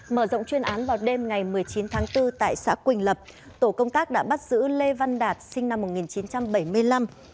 mở rộng chuyên án vào đêm ngày một mươi chín tháng bốn tại xã quỳnh lập tổ công tác đã bắt giữ lê văn đạt sinh năm một nghìn chín trăm bảy mươi năm